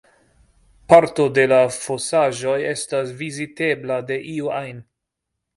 Parto de la fosaĵoj estas vizitebla de iu ajn.